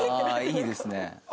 いいですね。